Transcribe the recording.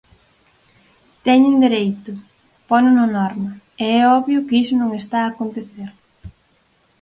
Teñen dereito, pono na norma, e é obvio que iso non está a acontecer.